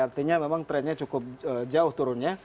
artinya memang trennya cukup jauh turunnya